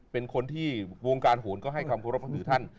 เป็นคนที่วงการโหนก็ให้ความเคารพนับถือท่าน